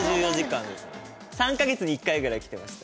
３か月に１回ぐらい来てました。